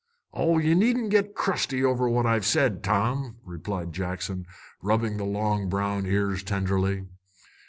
"Oh, ye needn't git crusty over what I've said, Tom," replied Jackson, rubbing the long brown ears tenderly.